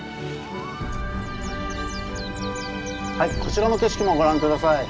はいこちらの景色もご覧下さい。